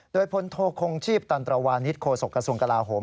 โดยพลโทคงชีพตันตรวานิสโคศกระทรวงกลาโหม